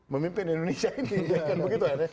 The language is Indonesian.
memimpin indonesia ini